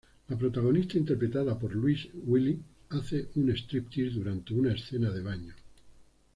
La protagonista, interpretada por Louis Willy, hace un "striptease" durante una escena de baño.